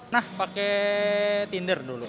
nah pakai tinder dulu